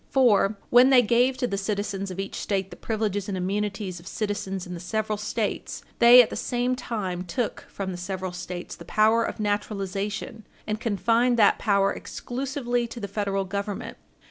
For, when they gave to the citizens of each State the privileges and immunities of citizens in the several States, they at the same time took from the several States the power of naturalization, and confined that power exclusively to the Federal Government.